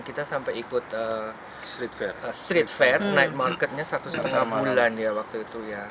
kita sampai ikut street fair naik marketnya satu setengah bulan ya waktu itu ya